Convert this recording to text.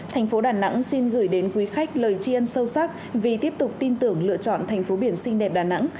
thành phố đà nẵng xin gửi đến quý khách lời chiên sâu sắc vì tiếp tục tin tưởng lựa chọn thành phố biển xinh đẹp đà nẵng